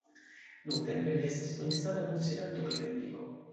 Nuntempe li estas memstara konsilanto pri tekniko.